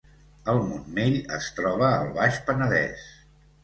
El Montmell es troba al Baix Penedès